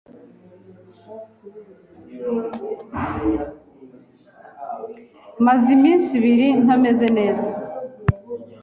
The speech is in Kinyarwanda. Maze iminsi ibiri ntameze neza.